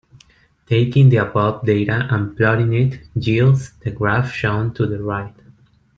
Taking the above data and plotting it yields the graph shown to the right.